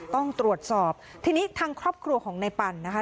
ต้องตรวจสอบทีนี้ทางครอบครัวของในปั่นนะคะ